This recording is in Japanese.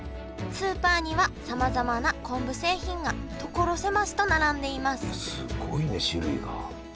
スーパーにはさまざまな昆布製品が所狭しと並んでいますすごいね種類が。